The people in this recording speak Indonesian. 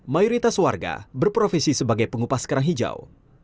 mayoritas warga berprofesi sebagai pengupas kerang hijau